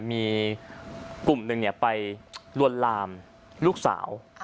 มีกลุ่มหนึ่งไปลวนลามลูกสาว